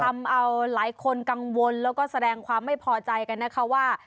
ทำเอาหลายคนกังวลแล้วก็แสดงความไม่พอใจกันนะคะว่า